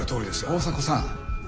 大迫さん。